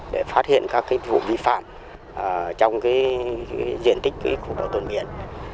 để phát hiện các vụ vi phạm trong diện tích khu bảo tồn biển